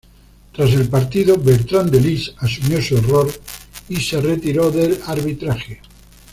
Tras el partido Bertrán de Lis asumió su error y se retiró del arbitraje.